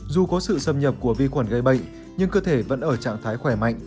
dù có sự xâm nhập của vi khuẩn gây bệnh nhưng cơ thể vẫn ở trạng thái khỏe mạnh